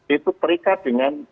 itu perikat dengan